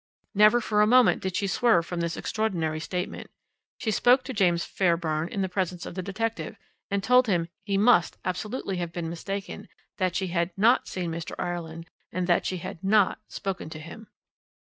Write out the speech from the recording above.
Never for a moment did she swerve from this extraordinary statement. She spoke to James Fairbairn in the presence of the detective, and told him he must absolutely have been mistaken, that she had not seen Mr. Ireland, and that she had not spoken to him.